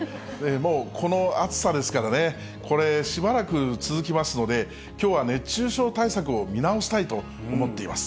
もう、この暑さですからね、これ、しばらく続きますので、きょうは熱中症対策を見直したいと思っています。